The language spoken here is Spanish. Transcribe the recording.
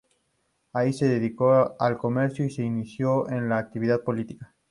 Allí se dedicó al comercio y se inició en la actividad política.